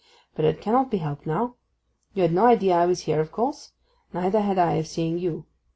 But it cannot be helped now. You had no idea I was here, of course. Neither had I of seeing you.